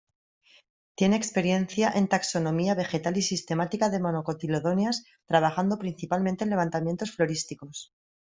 Tiene experiencia en taxonomía vegetal y sistemática de monocotiledóneas, trabajando principalmente en levantamientos florísticos.